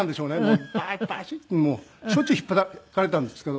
バシッともうしょっちゅう引っぱたかれたんですけど。